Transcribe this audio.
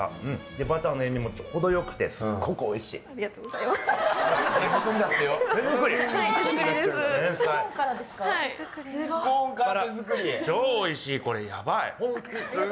バターの塩みもほどよくてすっごくおいしいっ！